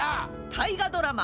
大河ドラマ